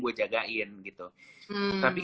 gue jagain gitu tapi